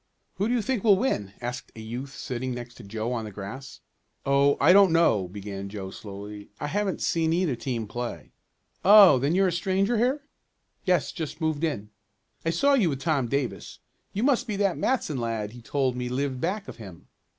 "Who do you think will win?" asked a youth sitting next to Joe on the grass. "Oh, I don't know," began Joe slowly. "I haven't seen either team play." "Oh, then you're a stranger here?" "Yes, just moved in." "I saw you with Tom Davis. You must be that Matson lad he told me lived back of him."